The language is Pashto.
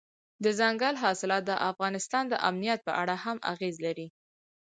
دځنګل حاصلات د افغانستان د امنیت په اړه هم اغېز لري.